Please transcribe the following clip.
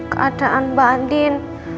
keadaan mbak andin